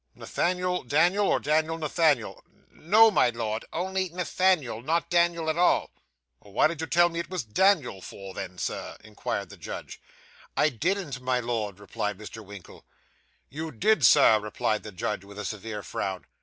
'Nathaniel Daniel, or Daniel Nathaniel?' 'No, my Lord, only Nathaniel not Daniel at all.' 'What did you tell me it was Daniel for, then, sir?' inquired the judge. 'I didn't, my Lord,' replied Mr. Winkle. 'You did, Sir,' replied the judge, with a severe frown.